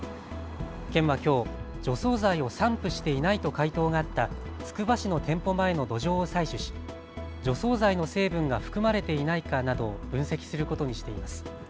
県はきょう除草剤を散布していないと回答があったつくば市の店舗前の土壌を採取し除草剤の成分が含まれていないかなどを分析することにしています。